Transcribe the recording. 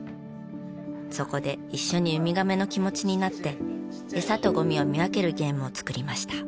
そこで一緒にウミガメの気持ちになってエサとゴミを見分けるゲームを作りました。